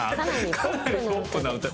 「かなりポップな歌です」。